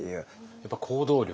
やっぱり行動力？